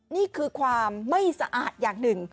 นี่คือความไม่สะอาดอย่างหนึ่ง